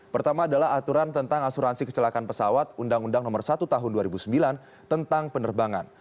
pertama adalah aturan tentang asuransi kecelakaan pesawat undang undang nomor satu tahun dua ribu sembilan tentang penerbangan